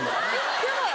ヤバい！